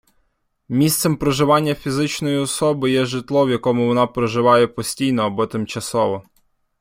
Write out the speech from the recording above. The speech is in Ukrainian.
Місцем проживання фізичної особи є житло, в якому вона проживає постійно або тимчасово.